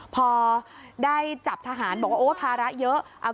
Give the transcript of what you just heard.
พอได้จับทหารบอกว่าโอ้ภาระเยอะ